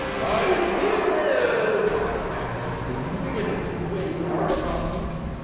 "I see it all," panted the Queen beginning to wave her arms.